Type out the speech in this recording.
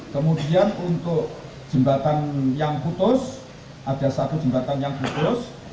kemudian untuk jembatan yang putus ada satu jembatan yang putus